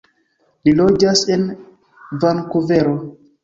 Li loĝas en Vankuvero.